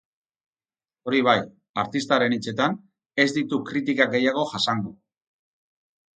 Hori bai, artistaren hitzetan, ez ditu kritika gehiago jasango.